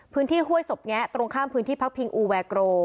พื้นที่ห้วยสบแง๊ะตรงข้ามพื้นที่พักพิงอูแวโกร